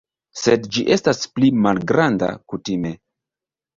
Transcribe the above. Sed ĝi estas pli malgranda, kutime.